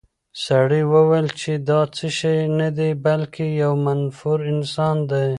سړي وویل چې دا څه شی نه دی، بلکې یو منفور انسان دی.